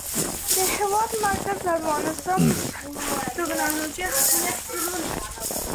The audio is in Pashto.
د هېواد مرکز د افغانستان په ستراتیژیک اهمیت کې رول لري.